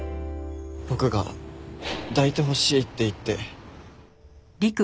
僕が抱いてほしいって言って。